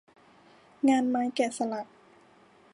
งานไม้แกะสลัก